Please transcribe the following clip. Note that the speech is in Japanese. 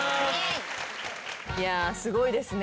いやすごいですね。